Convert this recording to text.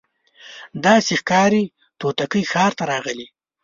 داسي ښکاري توتکۍ ښار ته راغلې